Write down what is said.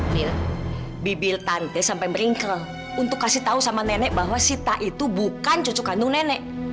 ini bibir tante sampai meringkel untuk kasih tahu sama nenek bahwa sita itu bukan cucu kandung nenek